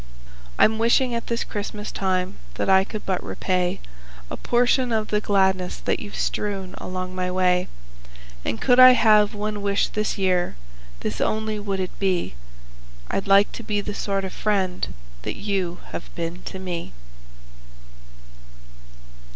I'm wishing at this Christmas time that I could but repay A portion of the gladness that you've strewn along my way; And could I have one wish this year, this only would it be: I'd like to be the sort of friend that you have been to me.